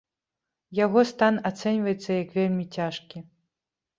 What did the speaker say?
Яго стан ацэньваецца як вельмі цяжкі.